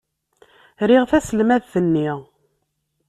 Riɣ taselmadt-nni.